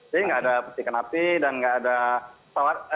jadi enggak ada percikan api dan enggak ada pesawat